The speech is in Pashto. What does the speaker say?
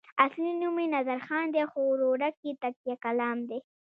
اصلي نوم یې نظرخان دی خو ورورک یې تکیه کلام دی.